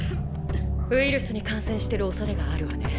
ウイルスに感染してるおそれがあるわね。